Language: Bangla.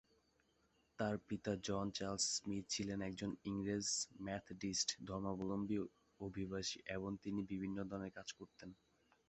তার পিতা জন চার্লস স্মিথ ছিলেন একজন ইংরেজ মেথডিস্ট ধর্মাবলম্বী অভিবাসী এবং তিনি বিভিন্ন ধরনের কাজ করতেন।